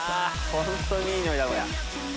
ホントにいい匂いだこりゃ。